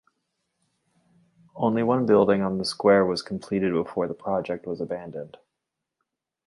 Only one building on the square was completed before the project was abandoned.